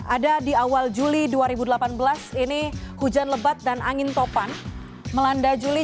ada di awal juli dua ribu delapan belas ini hujan lebat dan angin topan melanda juli